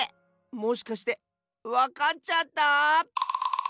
もしかしてわかっちゃった？